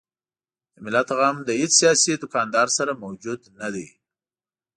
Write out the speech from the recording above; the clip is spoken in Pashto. د ملت غم له هیڅ سیاسي دوکاندار سره موجود نه دی.